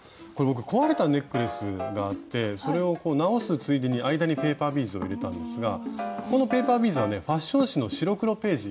これ僕壊れたネックレスがあってそれを直すついでに間にペーパービーズを入れたんですがこのペーパービーズはねファッション誌の白黒ページ。